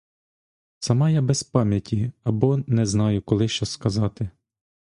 Сама я без пам'яті або не знаю, коли що сказати.